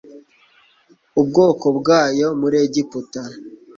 ubwoko bwayo muri Egiputa,